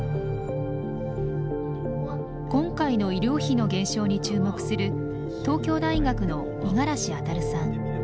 今回の医療費の減少に注目する東京大学の五十嵐中さん。